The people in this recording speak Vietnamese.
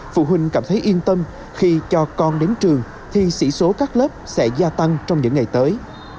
phụ huynh cảm thấy yên tâm khi cho con đến trường thì sĩ số các lớp sẽ gia tăng trong những ngày tới